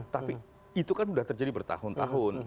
tapi itu kan sudah terjadi bertahun tahun